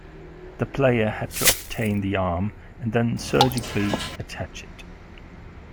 The player had to obtain the arm and then surgically attach it.